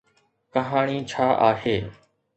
ڪهاڻي ڇا آهي؟